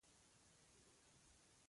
هر چا همدا خبره کوله سپي یې بد ګڼل.